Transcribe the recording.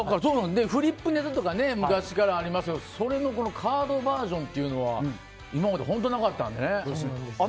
フリップネタとか昔からありますけどそれのカードバージョンっていうのは今まで本当なかったので。